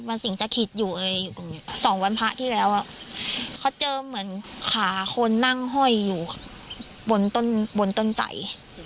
มันสิ่งสักขีดอยู่สองวันพระที่แล้วเขาเจอเหมือนขาคนนั่งห้อยอยู่บนต้นใจ